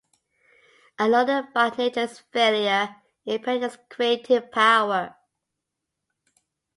A loner by nature, his "failure" impaired his creative power.